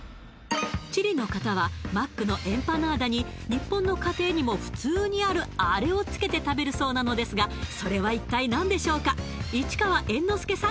チリの方はマックのエンパナーダに日本の家庭にも普通にあるあれをつけて食べるそうなのですがそれは一体何でしょうか市川猿之助さん